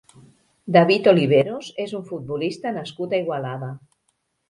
David Oliveros és un futbolista nascut a Igualada.